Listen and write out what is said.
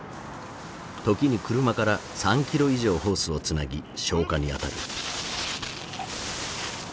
時に車から３キロ以上ホースをつなぎ消火に当たる。